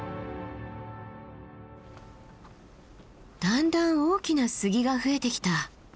だんだん大きな杉が増えてきた。